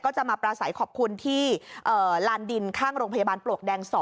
จะมาปราศัยขอบคุณที่ลานดินข้างโรงพยาบาลปลวกแดง๒